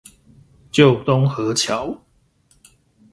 舊東河橋